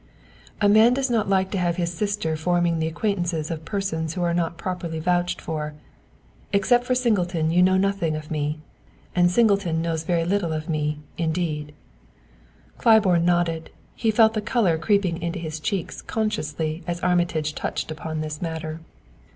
"A man does not like to have his sister forming the acquaintances of persons who are not properly vouched for. Except for Singleton you know nothing of me; and Singleton knows very little of me, indeed." Claiborne nodded. He felt the color creeping into his cheeks consciously as Armitage touched upon this matter.